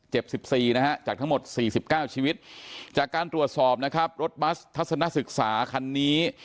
สิบสี่นะฮะจากทั้งหมด๔๙ชีวิตจากการตรวจสอบนะครับรถบัสทัศนศึกษาคันนี้